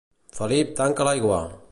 Felip, tanca l'aigua!